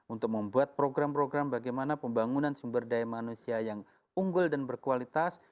untuk membuat program program bagaimana pembangunan sumber daya manusia yang unggul dan berkualitas